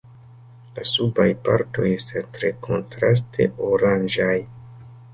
La subaj partoj estas tre kontraste oranĝaj.